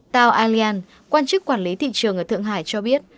tao alian quan chức quản lý thị trường ở thượng hải cho biết